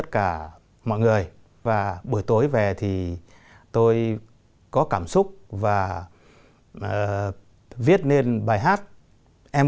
trong giấc mơ tôi gặp lại em